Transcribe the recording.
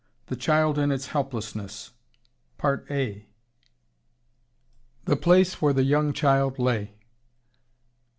THE CHILD IN ITS HELPLESSNESS "The place where the young Child lay."